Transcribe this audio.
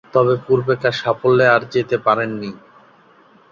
তবে পূর্বেকার সাফল্যে আর যেতে পারেননি।